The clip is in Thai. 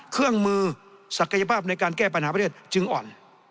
เครื่องมือศักยภาพในการแก้ปัญหาประเทศจึงอ่อน